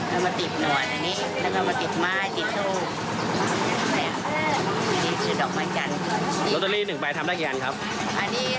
ตอนนี้ส่งอ้อนร้อยละ๗๐บาท